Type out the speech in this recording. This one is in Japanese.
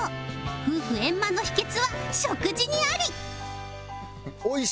夫婦円満の秘訣は食事にあり